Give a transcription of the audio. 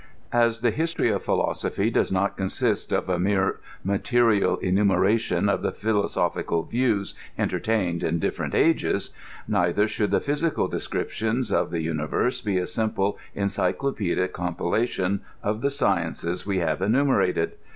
As the history of philosophy does not consist of a mere material enumeration of the philosophical views entertained in diflerent ages, neither should the physical description of the universe be a simple encyclopedic compilation of the sciences we have enumerated.